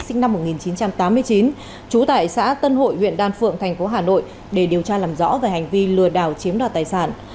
sinh năm một nghìn chín trăm tám mươi chín trú tại xã tân hội huyện đan phượng thành phố hà nội để điều tra làm rõ về hành vi lừa đảo chiếm đoạt tài sản